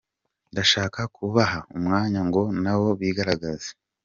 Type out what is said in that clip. Ndashaka kubaha umwanya ngo nabo bigaragaze.